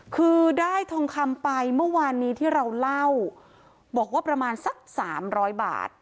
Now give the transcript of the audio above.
คือได้ทองคำไปเมื่อวานนี้ที่เราเล่าบอกว่าประมาณสักสามร้อยบาท